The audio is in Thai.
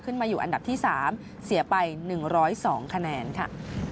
ขึ้นมาอยู่อันดับที่๓เสียไป๑๐๒คะแนนค่ะ